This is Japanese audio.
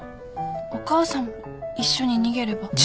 お母さんも一緒に逃げれば。